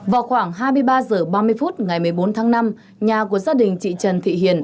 vào khoảng hai mươi ba h ba mươi phút ngày một mươi bốn tháng năm nhà của gia đình chị trần thị hiền